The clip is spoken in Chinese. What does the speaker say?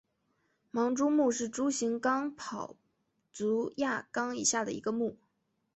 盲蛛目是蛛形纲跑足亚纲以下的一个目。